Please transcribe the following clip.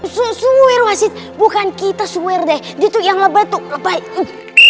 susuir wasit bukan kita swear deh gitu yang lebat tuh apa itu